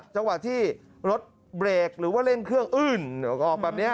จังหวะที่รถเบรกหรือว่าเร่งเครื่องอื้นออกแบบนี้